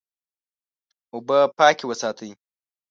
اوبه پاکې وساتئ.